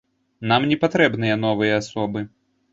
Нам не патрэбныя новыя асобы.